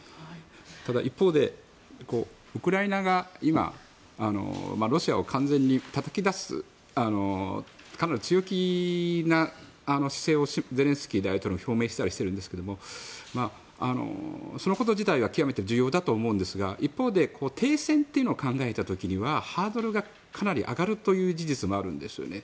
ただ一方で、ウクライナ側が今、ロシアを完全にたたき出すかなり強気な姿勢をゼレンスキー大統領が表明したりしているんですがそのこと自体は極めて重要だと思うんですが一方で停戦を考えた時にはハードルがかなり上がるという事実もあるんですよね。